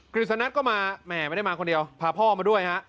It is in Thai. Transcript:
ฤษณก็มาแห่ไม่ได้มาคนเดียวพาพ่อมาด้วยฮะ